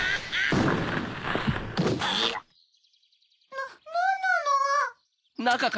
なんなの？